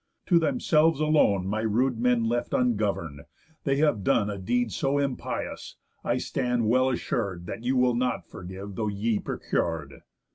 To themselves alone My rude men left ungovern'd, they have done A deed so impious, I stand well assur'd, That you will not forgive though ye procur'd.